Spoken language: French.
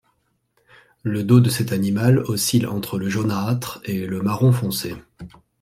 Le dos de cet animal oscille entre le jaunâtre et le marron foncé.